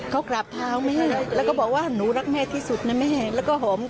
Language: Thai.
ก็บอกว่าแม่เองก็รักลูกที่สุดนะลูก